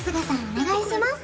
お願いします